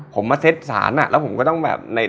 ผมมาเซ็ตฐานอะแล้วผมก็ต้องแบบ